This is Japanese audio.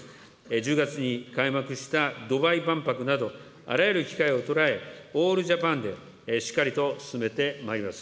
１０月に開幕したドバイ万博など、あらゆる機会を捉え、オールジャパンでしっかりと進めてまいります。